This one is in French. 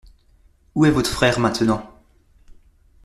Où est votre frère maintenant ?